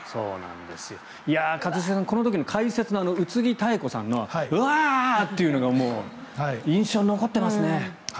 一茂さん、この時の解説の宇津木妙子さんのワーッというのが印象に残っていますね。